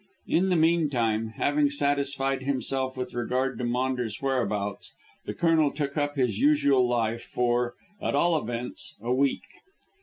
In the meantime, having satisfied himself with regard to Maunders' whereabouts, the Colonel took up his usual life for, at all events, a week.